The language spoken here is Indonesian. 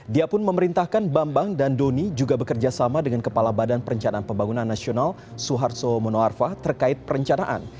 dia pun memerintahkan bambang dan doni juga bekerja sama dengan kepala badan perencanaan pembangunan nasional suharto monoarfa terkait perencanaan